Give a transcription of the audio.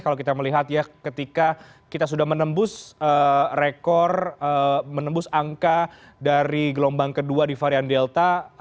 kalau kita melihat ya ketika kita sudah menembus rekor menembus angka dari gelombang kedua di varian delta